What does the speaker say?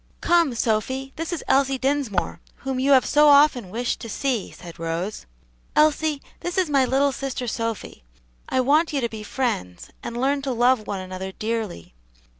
"Come, Sophy, this is Elsie Dinsmore, whom you have so often wished to see," said Rose. "Elsie, this is my little sister Sophy. I want you to be friends, and learn to love one another dearly.